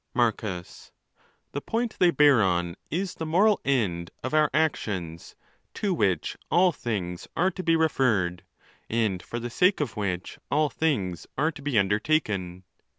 Marcus.—The point they bear on is the moral end of our actions, to which all things are to be referred, and for the sake of which all things are to be undertaken.